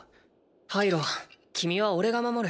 ハイロ君はおれが守る。